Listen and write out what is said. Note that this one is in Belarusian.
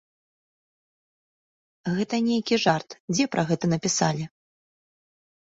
Гэта нейкі жарт, дзе пра гэта напісалі?